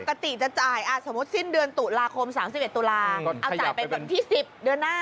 ปกติจะจ่ายสมมุติสิ้นเดือนตุลาคม๓๑ตุลาเอาจ่ายไปแบบที่๑๐เดือนหน้า